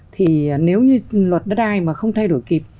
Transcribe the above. thì nếu như luật đất đai mà không thay đổi kịp